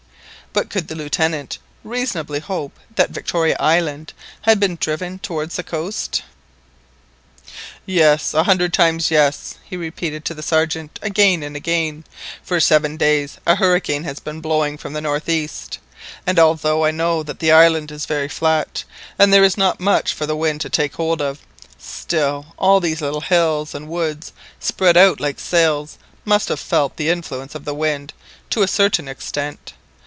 But could the Lieutenant reasonably hope that Victoria Island had been driven towards the coast? "Yes, a hundred times yes," he repeated to the Sergeant again and again. "For seven days a hurricane has been blowing from the northeast, and although I know that the island is very flat, and there is not much for the wind to take hold of, still all these little hills and woods spread out like sails must have felt the influence of the wind to a certain extent.